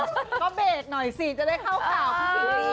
ก็เบสหน่อยสิจะได้เข้าข่าวของสิริ